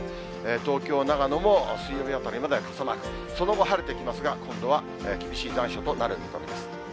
東京、長野も水曜日あたりまで傘マーク、その後、晴れてきますが、今度は厳しい残暑となる見込みです。